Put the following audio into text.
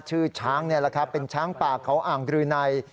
ชื่อช้างนี่แหละครับเป็นช้างป่าเขาอ่างรืนัย